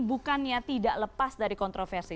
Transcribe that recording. bukannya tidak lepas dari kontroversi